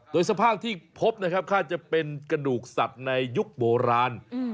โดยสภาพที่พบนะครับคาดจะเป็นกระดูกสัตว์ในยุคโบราณ